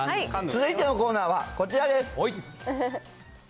続いてのコーナーはこちらです。